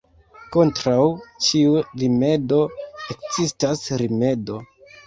Kontraŭ ĉiu rimedo ekzistas rimedo.